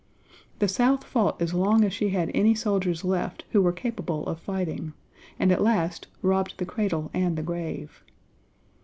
The South fought as long as she had any soldiers left who were capable of fighting, and at last "robbed the cradle and the grave."